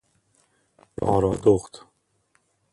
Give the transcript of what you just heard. آرادخت